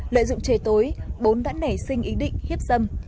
lợi dụng trẻ tối bốn đã nảy sinh ý định hiếp dâm